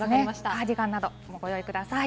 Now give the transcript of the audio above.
カーディガンなどもご用意ください。